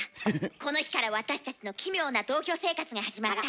この日から私たちの奇妙な同居生活が始まった。